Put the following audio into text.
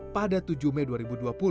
pada tujuh mei dua ribu dua puluh